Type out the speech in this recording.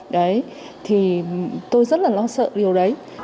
đấy thì tôi rất là lo sợ điều đấy